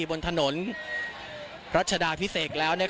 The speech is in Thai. บนถนนรัชดาพิเศษแล้ว